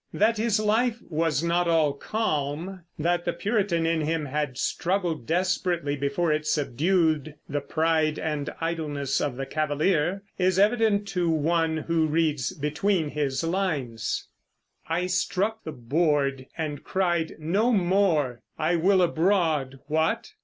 That his life was not all calm, that the Puritan in him had struggled desperately before it subdued the pride and idleness of the Cavalier, is evident to one who reads between his lines: I struck the board and cry'd, No more! I will abroad. What?